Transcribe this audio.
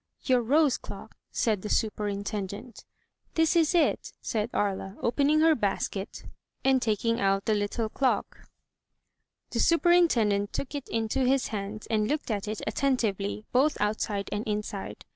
"Your rose clocjc?" said the superintendent. "This is it," said Aria, opening her basket and taking out her little clock. The superintendent took it into his hands and looked at it attentively, both outside and inside.